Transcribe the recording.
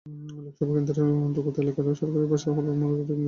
লোকসভা কেন্দ্রের অন্তর্গত এলাকার সরকারি ভাষা হল মারাঠি এবং ইংরাজি।